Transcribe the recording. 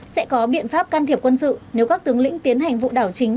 sẽ có biện pháp can thiệp quân sự nếu các tướng lĩnh tiến hành vụ đảo chính